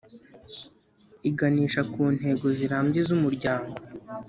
iganisha ku ntego zirambye z’umuryango,